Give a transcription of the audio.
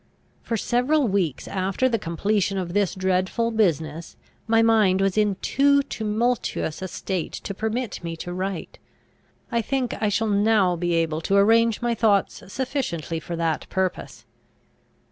For several weeks after the completion of this dreadful business, my mind was in too tumultuous a state to permit me to write. I think I shall now be able to arrange my thoughts sufficiently for that purpose.